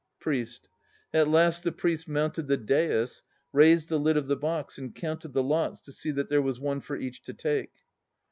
PRIEST. At last the Priest mounted the dais, raised the lid of the box and counted the lots to see that there was one for each to take.